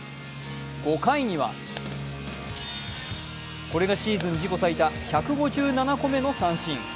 ５回にはこれがシーズン自己最多１５７個目の三振。